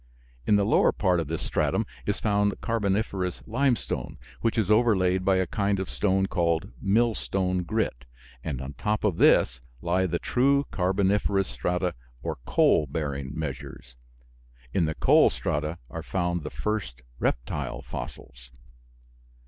In the lower part of this stratum is found carboniferous limestone, which is overlaid by a kind of stone called millstone grit, and on top of this lie the true carboniferous strata or coal bearing measures. In the coal strata are found the first reptile fossils.